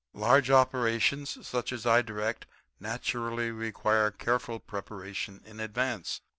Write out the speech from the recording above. Large operations, such as I direct, naturally require careful preparation in advance.